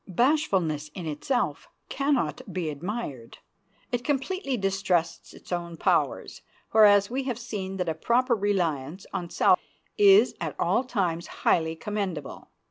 Bashfulness in itself can not be admired. It completely distrusts its own powers, whereas we have seen that a proper reliance on self is at all times highly commendable.